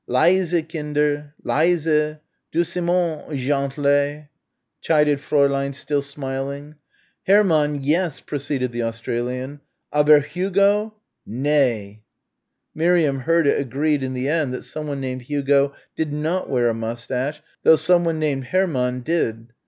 "Leise, kinder, leise, doucement, gentlay," chided Fräulein, still smiling. "Hermann, yes," proceeded the Australian, "aber Hugo né!" Miriam heard it agreed in the end that someone named Hugo did not wear a moustache, though someone named Hermann did.